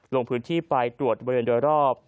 ลงพื้นที่ไปตรวจบริเวณโดยรอบ